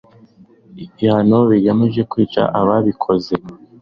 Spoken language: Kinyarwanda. ibihano bigamije kwica ababikoze